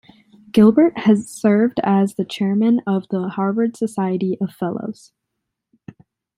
Gilbert has served as the chairman of the Harvard Society of Fellows.